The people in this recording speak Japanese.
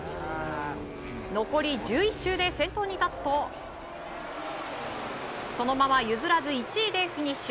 残り１１周で先頭に立つとそのまま譲らず１位でフィニッシュ。